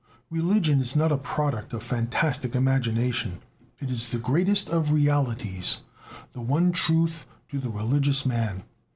Religion is not a product of fantastic imagination, it is the greatest of realities, the one truth to the religious man.